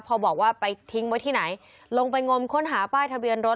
พอบอกว่าไปทิ้งไว้ที่ไหนลงไปงมค้นหาป้ายทะเบียนรถ